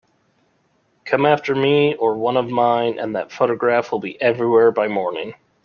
Come after me or one of mine, and that photograph will be everywhere by morning.